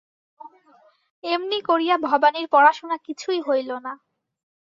এমনি করিয়া ভবানীর পড়াশুনা কিছুই হইল না।